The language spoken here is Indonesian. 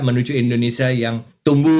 menuju indonesia yang tunggu